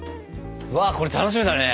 うわっこれ楽しみだね！